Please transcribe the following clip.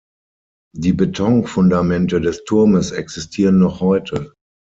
Die Betonfundamente des Turmes existieren noch heute.